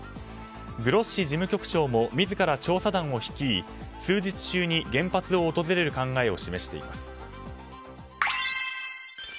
グロッシ事務局長も自ら調査団を率い数日中に原発を訪れる考えを示しています。